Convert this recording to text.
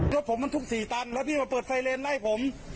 รถผมมันทุก๔ตันแล้วพี่มาเปิดไฟเลนไล่ผม